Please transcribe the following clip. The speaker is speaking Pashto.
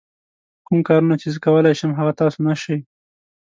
کوم کارونه چې زه کولای شم هغه تاسو نه شئ.